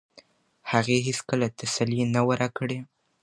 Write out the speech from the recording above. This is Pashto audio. هغې هیڅکله تسلي نه وه راکړې.